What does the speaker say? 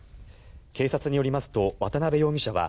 警察によりますと渡部容疑者は